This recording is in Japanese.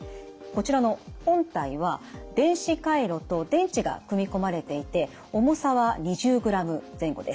こちらの本体は電子回路と電池が組み込まれていて重さは２０ｇ前後です。